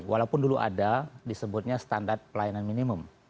walaupun dulu ada disebutnya standar pelayanan minimum